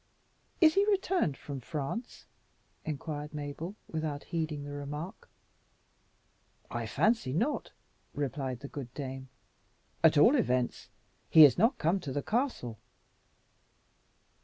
"Is he returned from France?" inquired Mabel, without heeding the remark. "I fancy not," replied the good dame. "At all events, he is not come to the castle.